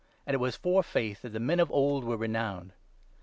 And it was for faith that the men of old were renowned.